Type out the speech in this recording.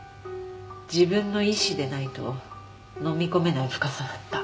自分の意思でないと飲み込めない深さだった。